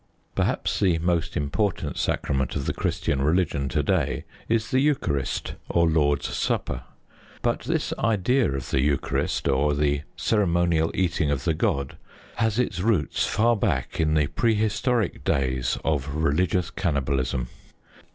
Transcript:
Perhaps the most important sacrament of the Christian religion to day is the Eucharist, or Lord's Supper. But this idea of the Eucharist, or the ceremonial eating of the god, has its roots far back in the prehistoric days of religious cannibalism.